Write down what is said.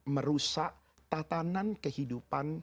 merusak tatanan kehidupan